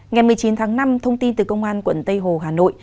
ngày một mươi chín tháng năm thông tin từ công an quận tây hồ hà nội